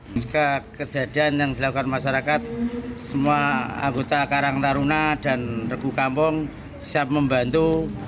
jika kejadian yang dilakukan masyarakat semua anggota karang taruna dan regu kampung siap membantu